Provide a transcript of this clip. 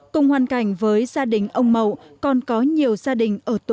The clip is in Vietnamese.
cùng hoàn cảnh với gia đình ông mậu còn có nhiều gia đình ở tổ